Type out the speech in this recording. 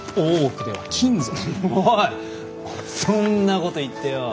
あそんなこと言ってよ